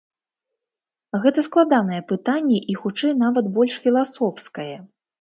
Гэта складанае пытанне і хутчэй нават больш філасофскае.